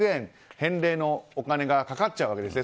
返礼のお金がかかっちゃうわけですね。